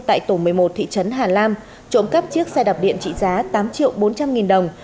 tại tổ một mươi một thị trấn hà lam trộm cắp chiếc xe đạp điện trị giá tám triệu bốn trăm linh nghìn đồng